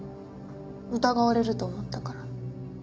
疑われると思ったから。